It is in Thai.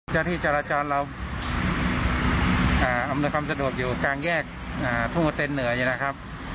เจ้าที่จราจรเราอำนวยความสะดวกอยู่กางแยกอ่าพุ่งออเตนเหนืออย่างนี้นะครับ